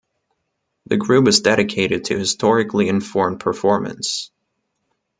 The group is dedicated to historically informed performance.